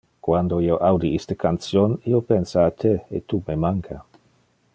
Quando io audi iste cantion, io pensa a te, e tu me manca.